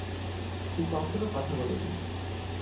সে কখনো কথা বলেনি।